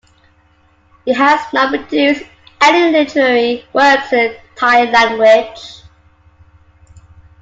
He has not produced any literary works in the Thai language.